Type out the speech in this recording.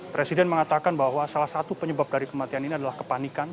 presiden mengatakan bahwa salah satu penyebab dari kematian ini adalah kepanikan